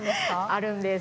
あるんです。